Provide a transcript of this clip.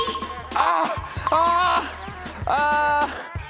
ああ！